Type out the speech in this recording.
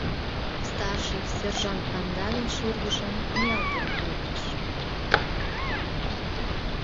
Старший сержант Кандалин шӱргыжым ниялтен колтыш.